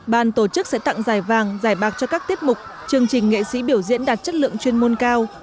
ban tổ chức sẽ tặng giải vàng giải bạc cho các tiết mục chương trình nghệ sĩ biểu diễn đạt chất lượng chuyên môn cao